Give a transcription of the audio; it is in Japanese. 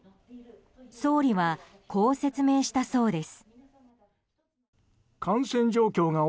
総理は、こう説明したそうです。